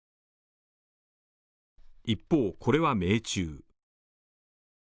一方、これは命中。